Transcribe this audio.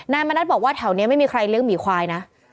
มณัฐบอกว่าแถวนี้ไม่มีใครเลี้ยงหมีควายนะ